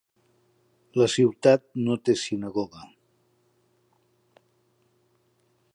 La ciutat no té sinagoga.